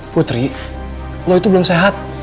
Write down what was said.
putri lo itu belum sehat